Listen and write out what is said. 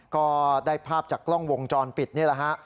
ก็ได้ภาพจากกล้องวงจรปิดนี่แหละฮะ